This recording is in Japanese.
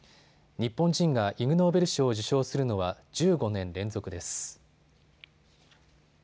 日本人がイグ・ノーベル賞を受賞するのは１５年連続です。